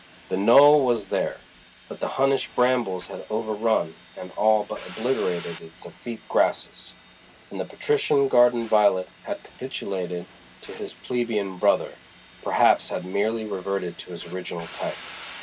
The knoll was there, but the Hunnish brambles had overrun and all but obliterated its effete grasses; and the patrician garden violet had capitulated to his plebeian brother—perhaps had merely reverted to his original type.